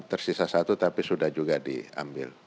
tersisa satu tapi sudah juga diambil